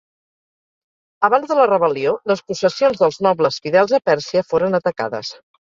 Abans de la rebel·lió les possessions dels nobles fidels a Pèrsia foren atacades.